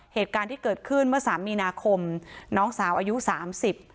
เหตุการณ์ที่เกิดขึ้นเมื่อสามมีนาคมน้องสาวอายุสามสิบ